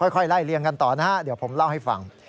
ค่อยไล่เลี่ยงกันต่อนะฮะเดี๋ยวผมเล่าให้ฟัง